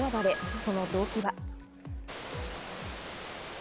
その動機は？